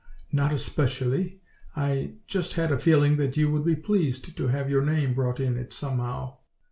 "Not especially; I just had a feeling that you would be pleased to have your name brought in it somehow."